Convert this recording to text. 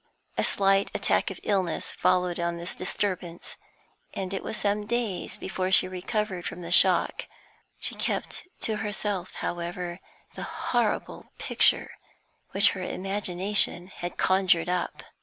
A slight attack of illness followed on this disturbance, and it was some days before she recovered from the shock; she kept to herself, however, the horrible picture which her imagination had conjured up.